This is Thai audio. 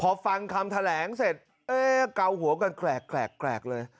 พอฟังคำแถลงเสร็จเกาหัวกันแกลกเลย